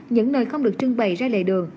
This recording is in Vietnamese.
những nơi không được trưng bày ra lề đường